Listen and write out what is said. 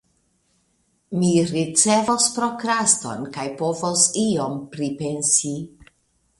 Mi ricevos prokraston, kaj povos iom pripensi.